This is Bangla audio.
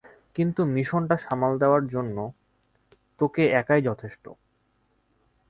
কিন্তু, মিশনটা সামাল দেয়ার জন্য তোগে একাই যথেষ্ট।